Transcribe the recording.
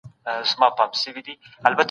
احمد شاه بابا څنګه د نادر شاه پوځ ته ننوت؟